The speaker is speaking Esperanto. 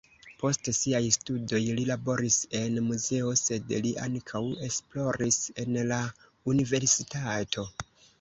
Post siaj studoj li laboris en muzeo, sed li ankaŭ esploris en la universitato.